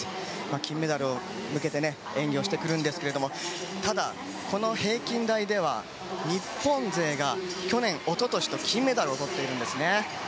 金メダルに向けて演技してきますがただ、この平均台では日本勢が去年、一昨年と金メダルをとっているんですね。